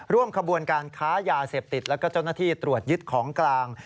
ร่วมขบวนการค้ายาเสพติดแล้วก็เจ้าหน้าที่ตรวจยึดของกลาง